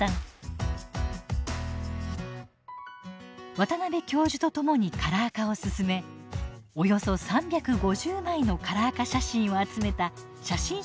渡邉教授とともにカラー化を進めおよそ３５０枚のカラー化写真を集めた写真集を発売しました。